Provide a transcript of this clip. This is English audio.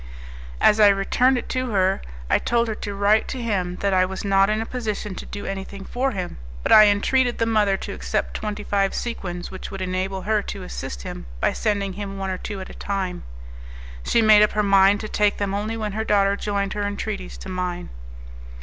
As I returned it to her, I told her to write to him that I was not in a position to do anything for him, but I entreated the mother to accept twenty five sequins, which would enable her to assist him by sending him one or two at a time. She made up her mind to take them only when her daughter joined her entreaties to mine.